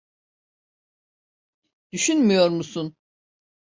Düşünmüyor musun?